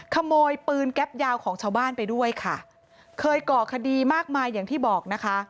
ขโมยปืนแก๊ปยาวของชาวบ้านไปด้วยค่ะเคยก่อคดีมากมายอย่างที่บอกนะคะ